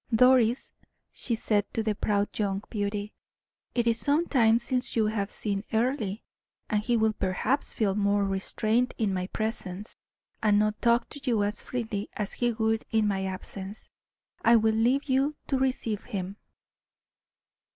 "Doris," she said to the proud young beauty, "it is some time since you have seen Earle, and he will perhaps feel some restraint in my presence, and not talk to you as freely as he would in my absence; I will leave you to receive him."